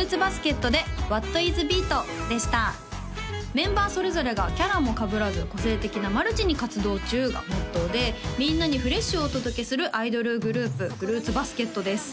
「メンバーそれぞれがキャラも被らず個性的なマルチに活動中」がモットーでみんなに「フレッシュ」をお届けするアイドルグループふるーつばすけっとです